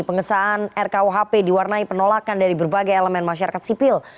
pengesahan rkuhp diwarnai penolakan dari berbagai elemen masyarakat sipil